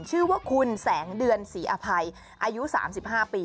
ชื่อว่าคุณแสงเดือนศรีอภัยอายุ๓๕ปี